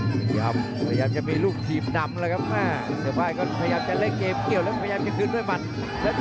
พยายามจะมีลูกทีมดำแล้วครับ